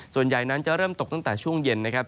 ส่วนใหญ่นั้นจะเริ่มตกตั้งแต่ช่วงเย็นนะครับ